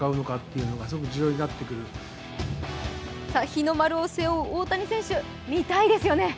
日の丸を背負う大谷選手見たいですよね。